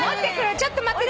ちょっと待っててね。